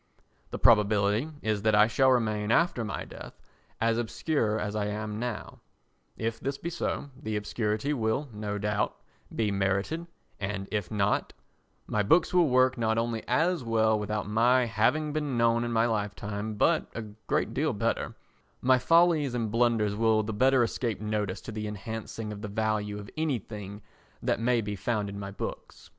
The probability is that I shall remain after my death as obscure as I am now; if this be so, the obscurity will, no doubt, be merited, and if not, my books will work not only as well without my having been known in my lifetime but a great deal better; my follies and blunders will the better escape notice to the enhancing of the value of anything that may be found in my books.